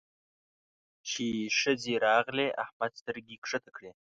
چې ښځې راغلې؛ احمد سترګې کښته کړې.